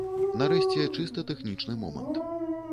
Нарэшце, чыста тэхнічны момант.